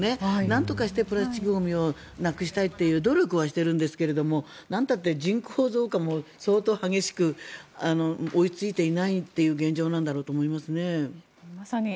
なんとかしてプラスチックゴミをなくしたいという努力はしているんですがなんたって人口増加も相当激しく追いついていないという現状なんだろうと思いますね。